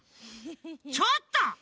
ちょっと！